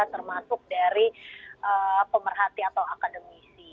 termasuk dari pemerhati atau akademisi